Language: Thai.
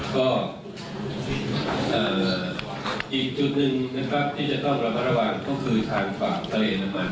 ก็อีกจุดหนึ่งนะครับที่จะต้องระมัดระวังก็คือทางฝั่งทะเลมัน